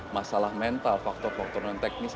masalah mental faktor faktor non teknis